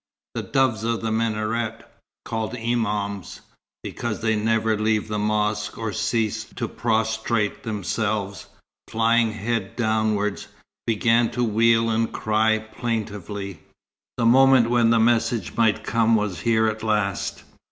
The doves of the minaret called Imams, because they never leave the mosque or cease to prostrate themselves, flying head downwards began to wheel and cry plaintively. The moment when the message might come was here at last.